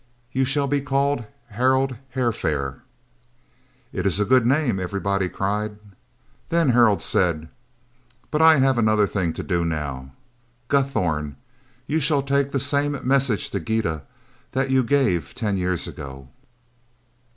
You shall be called Harald Hairfair." "It is a good name," everybody cried. Then Harald said: "But I have another thing to do now. Guthorm, you shall take the same message to Gyda that you gave ten years ago."